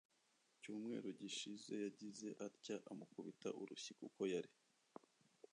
cyumweru gishize yagize atya amukubita urushyi kuko yari